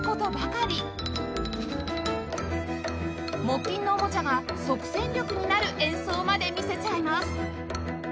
木琴のおもちゃが即戦力になる演奏まで見せちゃいます！